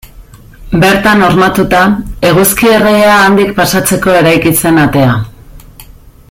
Bertan hormatuta, Eguzki Erregea handik pasatzeko eraiki zen atea.